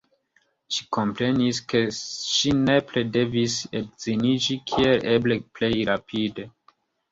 Ŝi komprenis, ke ŝi nepre devis edziniĝi kiel eble plej rapide.